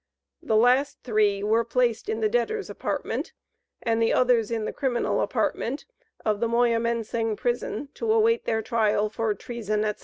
The last three were placed in the debtors' apartment, and the others in the criminal apartment of the Moyamensing prison to await their trial for treason, &c."